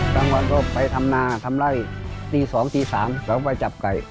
ตั้งกว่าเขาไปทำนาทำไร่ตีสองตีสามแล้วไปจับไก่